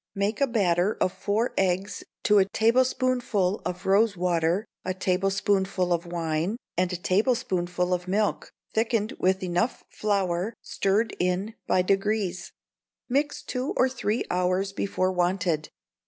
Make a batter of four eggs to a tablespoonful of rose water, a tablespoonful of wine, and a tablespoonful of milk, thickened with enough flour, stirred in by degrees; mix two or three hours before wanted.